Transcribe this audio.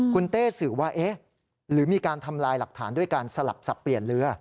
คุณเต้สื่อว่าเอ๊ะหรือมีการทำลายหลักฐานด้วยการสลับสับเปลี่ยนเรือ